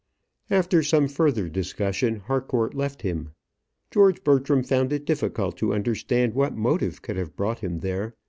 After some further discussion, Harcourt left him. George Bertram found it difficult to understand what motive could have brought him there.